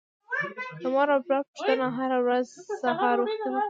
د مور او پلار پوښتنه هر ورځ سهار وختي وکړئ.